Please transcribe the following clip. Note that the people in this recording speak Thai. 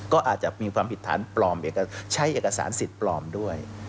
ก็อาจจะมีความผิดฐานปลอมใช้เอกสารสิทธิ์ปลอมด้วย